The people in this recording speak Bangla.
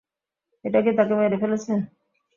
এটা কি তাকে মেরে ফেলেছে?